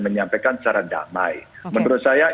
menyampaikan secara damai menurut saya